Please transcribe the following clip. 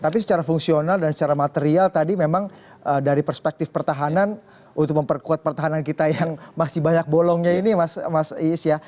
tapi secara fungsional dan secara material tadi memang dari perspektif pertahanan untuk memperkuat pertahanan kita yang masih banyak bolongnya ini mas iis ya